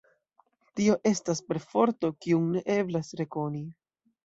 Tio estas perforto, kiun ne eblas rekoni.